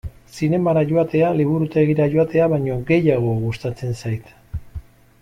Zinemara joatea liburutegira joatea baino gehiago gustatzen zait.